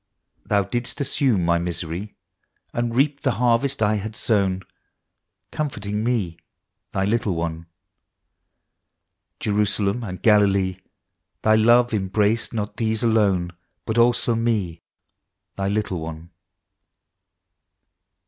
Thou didst assume my misery, And reap the harvest I had sown, Comforting me Thy little one. Jerusalem and Galilee, — Thy love embraced not those alone, But also me Thy little one.